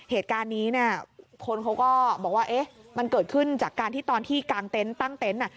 เหตุการณ์นี้เนี่ยคนเขาก็บอกว่าเอ๊ะมันเกิดขึ้นจากการที่ตอนที่กางเต็นต์ตั้งเต็นต์